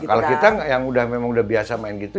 kalau kita yang memang udah biasa main gitu